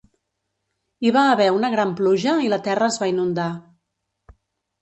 Hi va haver una gran pluja i la terra es va inundar.